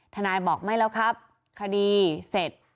ทนายบอกไม่แล้วครับคดีเสร็จ